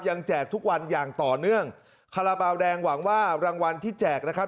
แจกทุกวันอย่างต่อเนื่องคาราบาลแดงหวังว่ารางวัลที่แจกนะครับ